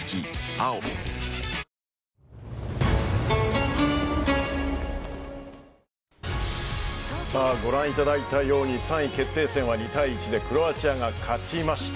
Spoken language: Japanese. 「碧Ａｏ」ご覧いただいたように３位決定戦は２対１でクロアチアが勝ちました。